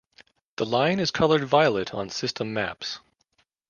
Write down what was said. The line is colored violet on system maps.